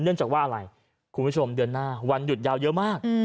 เนื่องจากว่าอะไรคุณผู้ชมเดือนหน้าวันหยุดยาวเยอะมาก